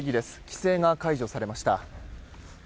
規制が解除されました。